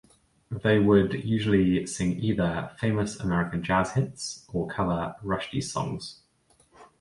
They would usually sing either famous American jazz hits or cover Rushdi's songs.